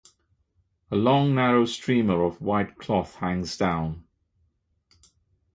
A long narrow streamer of white cloth hangs down.